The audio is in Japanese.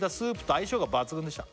「相性が抜群でした」